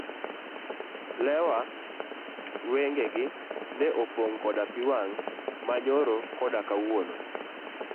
Lewa wengegi ne opong' koda pii wang' ma nyoro koda kawuono.